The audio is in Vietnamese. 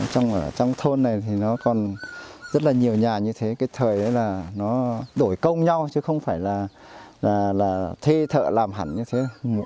xong ở trong thôn này thì nó còn rất là nhiều nhà như thế cái thời là nó đổi công nhau chứ không phải là thuê thợ làm hẳn như thế